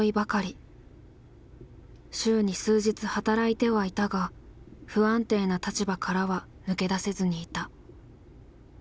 週に数日働いてはいたが不安定な立場からは抜け出せずにいた。